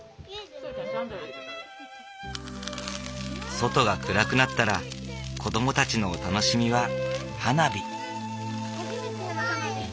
外が暗くなったら子どもたちのお楽しみは花火。